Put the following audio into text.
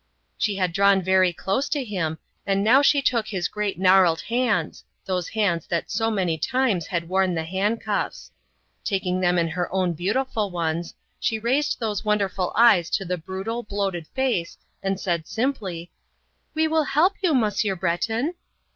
She had drawn very close to him, and now she took his great gnarled hands those hands that so many times had worn the handcuffs. Taking them in her own beautiful ones, she raised those wonderful eyes to the brutal, bloated face, and said simply, "We will help you, Monsieur Breton!"